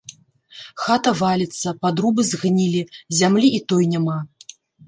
Хата валіцца, падрубы згнілі, зямлі і той няма.